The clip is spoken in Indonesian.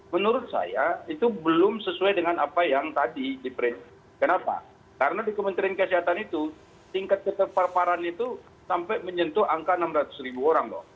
menurut saya itu belum sesuai dengan apa yang tadi kenapa karena di kementerian kesehatan itu tingkat keterparparan itu sampai menyentuh angka enam ratus ribu orang loh